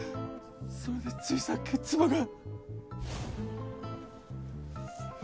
それでついさっき妻が。